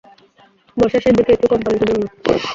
বর্ষার শেষদিকে একটু কম পানিতে জন্মায়।